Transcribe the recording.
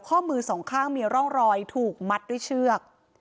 ข้อมือสองข้างมีร่องรอยถูกมัดด้วยเชือก